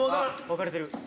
分かれてる。